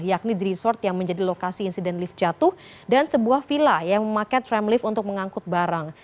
yakni di resort yang menjadi lokasi insiden lift jatuh dan sebuah villa yang memakai tram lift untuk mengangkut barang